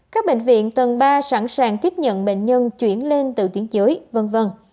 các bệnh viện tầng ba sẵn sàng tiếp nhận bệnh nhân chuyển lên từ tiếng dưới v v